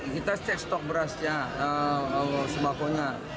kita cek stok berasnya sembakonya